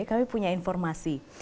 kami punya informasi